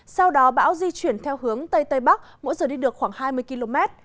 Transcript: sau đó bão di chuyển theo hướng tây tây bắc mỗi giờ đi được khoảng hai mươi km